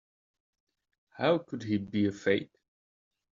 How could he be a fake?